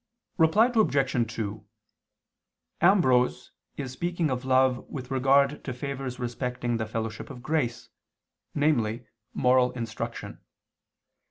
Reply Obj. 2: Ambrose is speaking of love with regard to favors respecting the fellowship of grace, namely, moral instruction.